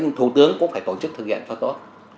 nhưng thủ tướng cũng phải tổ chức thực hiện phải tốt